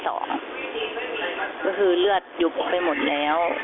ก็คือเลือดยุบไปหมดแล้ว